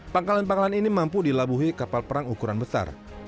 pangkalan pangkalan ini mampu dilabuhi kapal perang ukuran besar